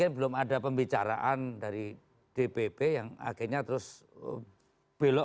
iya hari cinta kasih